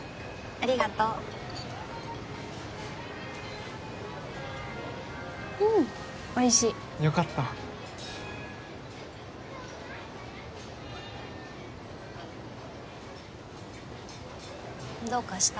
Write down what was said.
ありがとううんおいしいよかったどうかした？